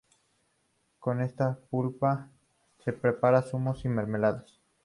Con esta pulpa se prepara zumos y mermeladas.